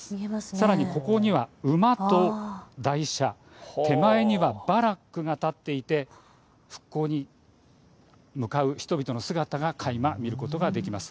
さらにここには馬と台車、手前にはバラックが建っていて復興に向かう人々の姿がかいま見ることができます。